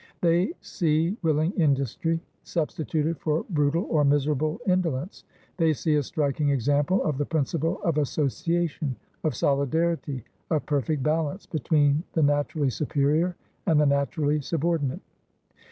They see willing industry substituted for brutal or miserable indolence; they see a striking example of the principle of association, of solidarityof perfect balance between the naturally superior and the naturally subordinate."